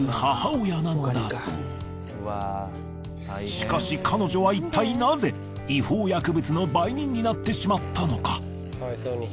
しかし彼女は一体なぜ違法薬物の売人になってしまったのか？